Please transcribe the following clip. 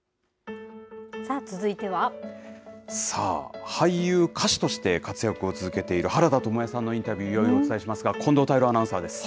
さあ、俳優、歌手として活躍を続けている原田知世さんのインタビュー、いよいよお伝えしますが、近藤泰郎アナウンサーです。